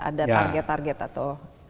ada target target atau